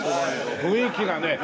雰囲気がねえ。